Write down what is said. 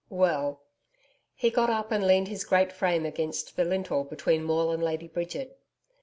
'Well ' He got up and leaned his great frame against the lintel between Maule and Lady Bridget.